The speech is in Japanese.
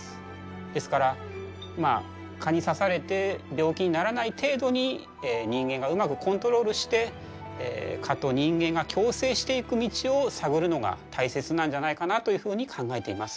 ですからまあ蚊に刺されて病気にならない程度に人間がうまくコントロールして蚊と人間が共生していく道を探るのが大切なんじゃないかなというふうに考えています。